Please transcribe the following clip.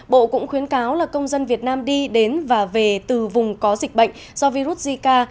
bộ cũng khuyến cáo là công dân việt nam đi đến và về từ vùng có dịch bệnh do virus zika